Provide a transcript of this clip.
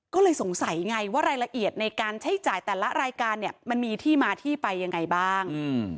ก็เลยสงสัยไงว่ารายละเอียดในการใช้จ่ายแต่ละรายการเนี่ยมันมีที่มาที่ไปยังไงบ้าง